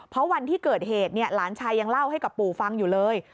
เพราะวันที่เกิดเหตุหลานชายยังเล่าให้กับปู่ฟังอยู่เลย